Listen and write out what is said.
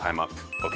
ＯＫ。